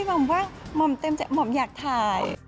หม่อมว่าหม่อมเต็มหม่อมอยากถ่าย